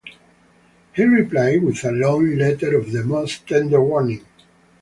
He replied with a long letter of the most tender warning.